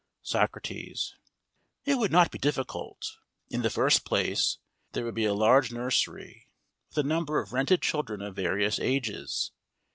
SOCRATES: It would not be difficult. In the first place, there would be a large nursery, with a number of rented children of various ages.